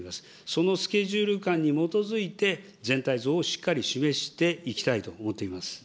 そのスケジュール感に基づいて、全体像をしっかり示していきたいと思っております。